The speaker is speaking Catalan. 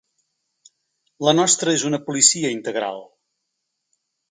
La nostra és una policia integral.